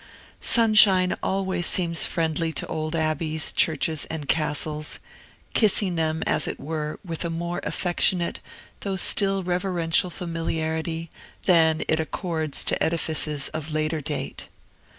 Sunshine always seems friendly to old abbeys, churches, and castles, kissing them, as it were, with a more affectionate, though still reverential familiarity, than it accords to edifices of later date.